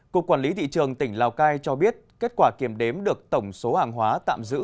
cục quản lý thị trường tỉnh lào cai cho biết kết quả kiểm đếm được tổng số hàng hóa tạm giữ